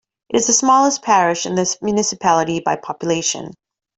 It is the smallest parish in the municipality by population.